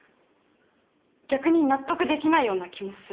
逆に納得できないような気もする。